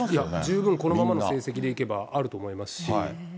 十分このままの成績でいけばあると思いますし。